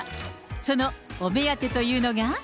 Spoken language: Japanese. そのお目当てというのが。